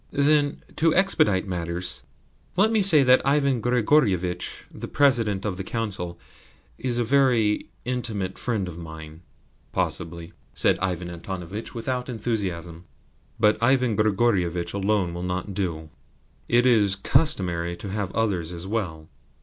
"Then, to expedite matters, let me say that Ivan Grigorievitch, the President of the Council, is a very intimate friend of mine." "Possibly," said Ivan Antonovitch without enthusiasm. "But Ivan Grigorievitch alone will not do it is customary to have others as well."